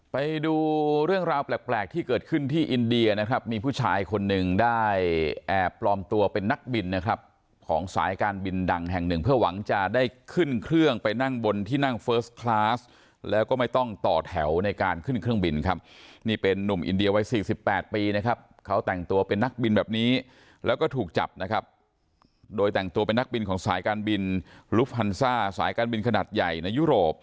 ไปดูเรื่องราวแปลกที่เกิดขึ้นที่อินเดียนะครับมีผู้ชายคนนึงได้แอบปลอมตัวเป็นนักบินนะครับของสายการบินดังแห่งหนึ่งเพื่อหวังจะได้ขึ้นเครื่องไปนั่งบนที่นั่งเฟิร์สคลาสแล้วก็ไม่ต้องต่อแถวในการขึ้นเครื่องบินครับนี่เป็นนุ่มอินเดียว่า๔๘ปีนะครับเขาแต่งตัวเป็นนักบินแบบนี้แล้วก็ถูกจับนะครับโ